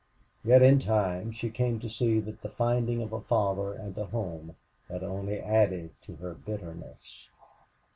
Yet in time she came to see that the finding of a father and a home had only added to her bitterness.